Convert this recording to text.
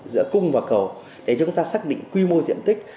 giữa cung và cầu để chúng ta xác định quy mô diện tích